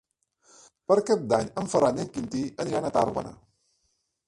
Per Cap d'Any en Ferran i en Quintí aniran a Tàrbena.